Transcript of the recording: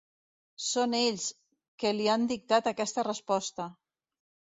Són ells, que li han dictat aquesta resposta!